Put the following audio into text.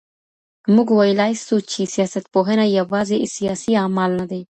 موږ ویلای سو چي سیاستپوهنه یوازي سیاسي اعمال نه دي.